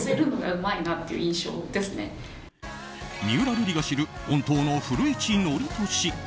三浦瑠麗が知る本当の古市憲寿。